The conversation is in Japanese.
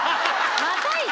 またいで？